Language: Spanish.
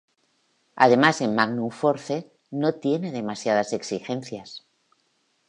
Además en "Magnum Force" no tiene demasiadas exigencias".